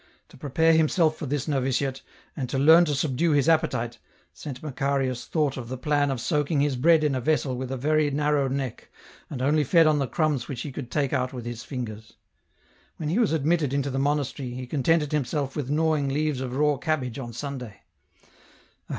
To prepare himself for this novitiate, and to learn to subdue his appetite. Saint Macarius thought of the plan of soaking his bread in a vessel with a very narrow neck, and only fed on the crumbs which he could take out with his fingers. When he was admitted into the monastery, he contented himself with gnawing leaves of raw cabbage on Sunday.